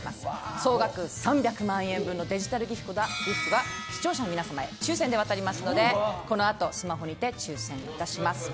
総額３００万円分のデジタルギフトが視聴者の皆様へ抽選で当たりますのでこの後スマホにて抽選いたします。